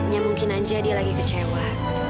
ya mungkin aja dia lagi kecewa